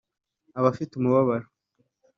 abafite umubabaro,